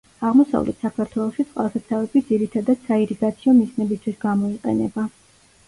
აღმოსავლეთ საქართველოში წყალსაცავები ძირითადად საირიგაციო მიზნებისთვის გამოიყენება.